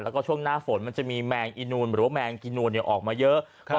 แล้วก็ช่วงหน้าฝนมันจะมีแมงอีนูนหรือว่าแมงอีนูนออกมาเยอะ